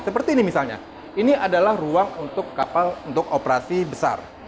seperti ini misalnya ini adalah ruang untuk kapal untuk operasi besar